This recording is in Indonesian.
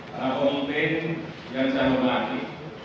para pemimpin yang saya hormati